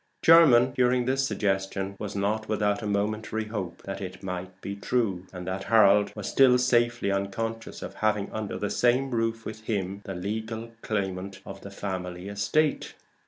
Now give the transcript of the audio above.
Jermyn, hearing this suggestion, was not without a momentary hope that it might be true, and that Harold was still safely unconscious of having under the same roof with him the legal claimant of the family estate.